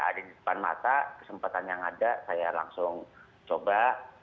ada di depan mata kesempatan yang ada saya langsung coba